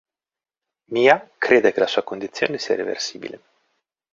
Mia crede che la sua condizione sia reversibile.